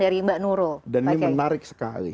dari mbak nurul dan ini menarik sekali